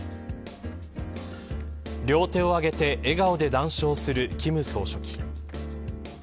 両手を上げて笑顔で談笑する金総書記。